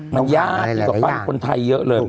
มันยากกว่าปั้นคนไทยเยอะเลย